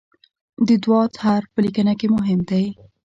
د "ض" حرف په لیکنه کې مهم دی.